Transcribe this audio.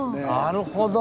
なるほど！